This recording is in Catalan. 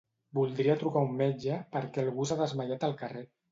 Voldria trucar a un metge perquè algú s'ha desmaiat al carrer.